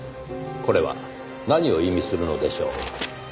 これは何を意味するのでしょう？